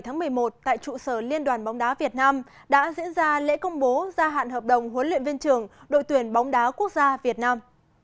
ngày một mươi một tại trụ sở liên đoàn bóng đá việt nam đã diễn ra lễ công bố gia hạn hợp đồng huấn luyện viên trưởng đội tuyển bóng đá quốc gia việt nam